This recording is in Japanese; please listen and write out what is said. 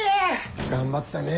頑張ったね